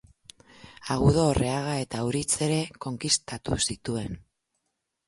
Agudo Orreaga eta Auritz ere konkistatu zituen.